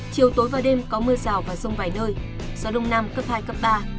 chiều tối và đêm có mưa rào và rông vài nơi gió đông nam cấp hai cấp ba